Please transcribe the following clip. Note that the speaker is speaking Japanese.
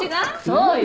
そうよ。